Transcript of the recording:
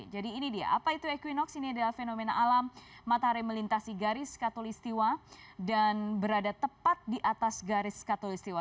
jadi ini dia apa itu equinox ini adalah fenomena alam matahari melintasi garis katolistiwa dan berada tepat di atas garis katolistiwa